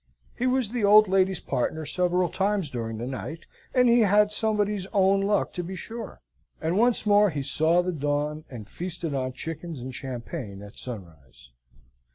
He was the old lady's partner several times during the night, and he had Somebody's own luck to be sure; and once more he saw the dawn, and feasted on chickens and champagne at sunrise.